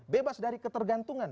bebas dari ketergantungan